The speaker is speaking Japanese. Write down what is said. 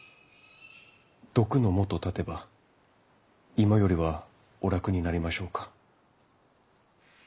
毒のもと断てば今よりはお楽になりましょうか。